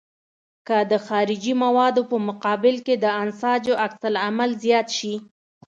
که د خارجي موادو په مقابل کې د انساجو عکس العمل زیات شي.